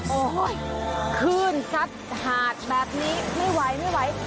โอ้โหคลื่นซัดหาดแบบนี้ไม่ไหวไม่ไหว